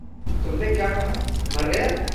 तुमने क्या कहा? मर गया?